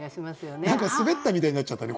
何か滑ったみたいになっちゃったね